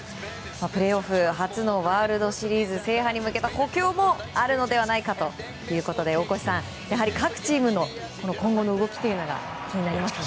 プレーオフ初のワールドシリーズ制覇に向けた補強もあるのではないかということで、大越さんやはり各チームの今後の動きが気になりますね。